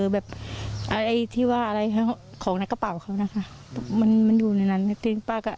แบบอะไรที่ว่าอะไรของในกระเป๋าเขานะคะมันมันอยู่ในนั้นจริงป้าก็